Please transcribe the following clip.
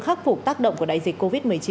khắc phục tác động của đại dịch covid một mươi chín